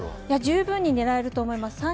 十分狙えると思います。